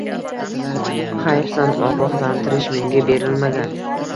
Xayfsan, ogoxlantirish menga berilmagan.